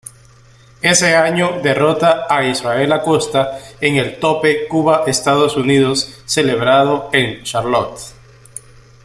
Ese año derrota a Israel Acosta en el tope Cuba-Estados Unidos celebrado en Charlotte.